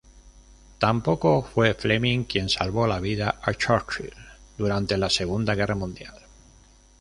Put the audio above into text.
Tampoco fue Fleming quien salvó la vida a Churchill durante la Segunda Guerra Mundial.